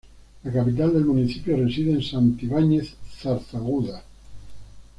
La capital del municipio reside en Santibáñez-Zarzaguda.